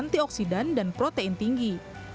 antioxidan dan protein tinggi